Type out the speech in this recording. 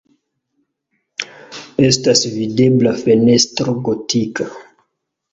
Estas videbla fenestro gotika.